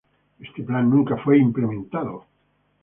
Este plan nunca fue implementado.